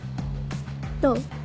どう？